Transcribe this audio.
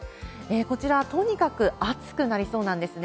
こちら、とにかく暑くなりそうなんですね。